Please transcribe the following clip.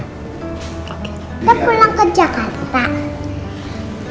saya pulang ke jakarta